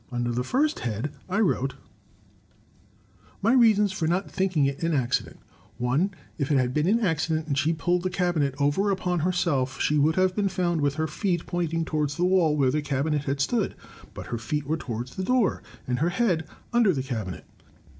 Under the first head I wrote: My reasons for not thinking it an accident: 1. If it had been an accident and she had pulled the cabinet over MORE DEVICES I97 Upon herself, she would have been found with her feet pointing towards the wall where the cabinet had stood. (But her feet were towards the door and her head under the cabi net).